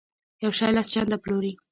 یو شی لس چنده پلوري.